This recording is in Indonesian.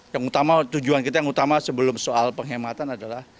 yang utama tujuan kita yang utama sebelum soal penghematan adalah